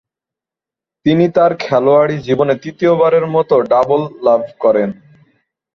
তিনি তার খেলোয়াড়ী জীবনে তৃতীয়বারের মতো ‘ডাবল’ লাভ করেন।